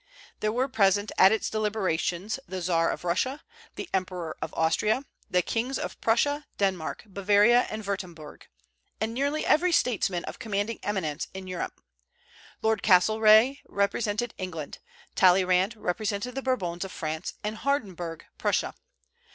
There were present at its deliberations the Czar of Russia, the Emperor of Austria, the kings of Prussia, Denmark, Bavaria, and Würtemberg, and nearly every statesman of commanding eminence in Europe. Lord Castlereagh represented England; Talleyrand represented the Bourbons of France; and Hardenberg, Prussia.